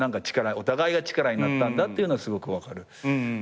お互いが力になったんだっていうのすごく分かる。